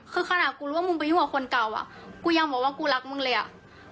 คือขนาดกูรู้ว่ามึงไปยุ่งกับคนเก่าอ่ะกูยังบอกว่ากูรักมึงเลยอ่ะ